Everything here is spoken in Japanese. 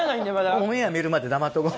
オンエア見るまで黙っとこう。